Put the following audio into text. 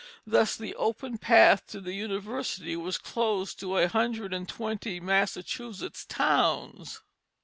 Thus the open path to the university was closed in a hundred and twenty Massachusetts towns.